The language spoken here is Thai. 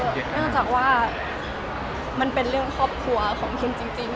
เนื่องจากว่ามันเป็นเรื่องครอบครัวของคุณจริง